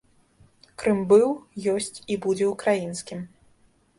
Крым быў, ёсць і будзе ўкраінскім.